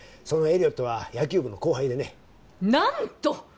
そのエリオットは野球部の後輩でね何と！